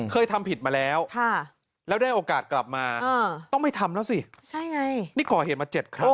เคยทำผิดมาแล้วแล้วได้โอกาสกลับมาต้องไม่ทำแล้วสินี่ก่อเหตุมา๗ครั้ง